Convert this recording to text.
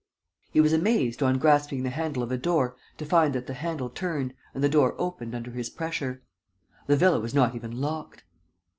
He was amazed, on grasping the handle of a door, to find that the handle turned and the door opened under his pressure. The villa was not even locked.